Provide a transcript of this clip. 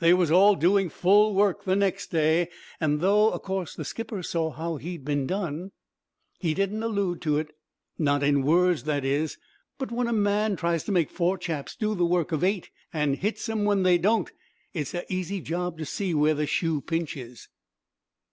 "They was all doing full work next day, an' though, o' course, the skipper saw how he'd been done, he didn't allude to it. Not in words, that is; but when a man tries to make four chaps do the work of eight, an' hits 'em when they don't, it's a easy job to see where the shoe pinches."